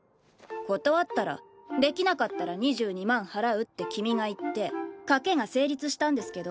断ったら「できなかったら２２万払う」って君が言って賭けが成立したんですけど？